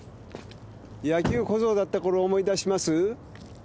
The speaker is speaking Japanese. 野球小僧だったころを思い出します。